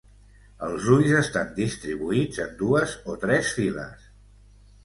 Els ulls estan distribuïts en dues o tres files.